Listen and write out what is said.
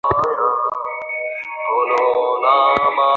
তিনি বাঁকুড়ায় চলে যান।